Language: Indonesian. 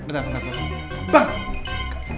bentar bentar bentar